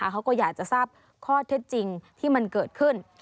เขาก็อยากจะทราบข้อเท็จจริงที่มันเกิดขึ้น